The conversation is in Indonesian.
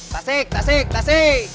tasik tasik tasik